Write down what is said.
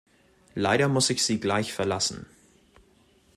Leider muss ich Sie gleich verlassen.